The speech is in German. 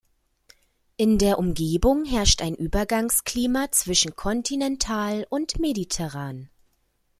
In der Umgebung herrscht ein Übergangsklima zwischen kontinental und mediterran.